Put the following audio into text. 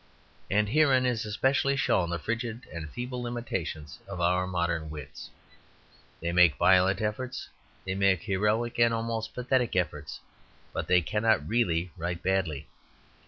And herein is especially shown the frigid and feeble limitations of our modern wits. They make violent efforts, they make heroic and almost pathetic efforts, but they cannot really write badly.